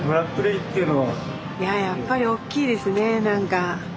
やっぱり大きいですね何か。